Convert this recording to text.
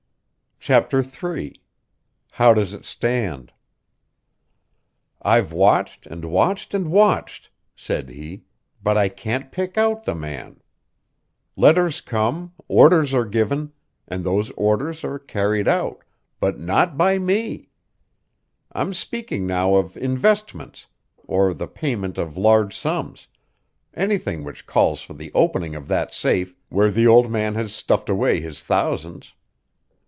CHAPTER III "How does it stand" "I've watched and watched and watched," said he, "but I can't pick out the man. Letters come, orders are given, and those orders are carried out, but not by me. I'm speaking now of investments, or the payment of large sums; anything which calls for the opening of that safe where the old man has stuffed away his thousands.